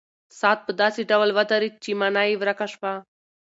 ساعت په داسې ډول ودرېد چې مانا یې ورکه شوه.